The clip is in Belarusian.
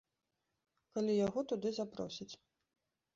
Калі яго туды запросяць.